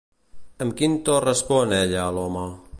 Amb quin to respon ella a l'home?